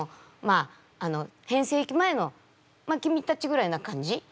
あの変声期前のまあ君たちぐらいな感じ。